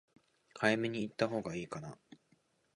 早めに行ったほうが良いかな？